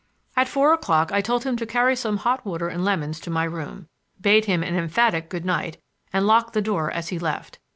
At four o'clock I told him to carry some hot water and lemons to my room; bade him an emphatic good night and locked the door as he left.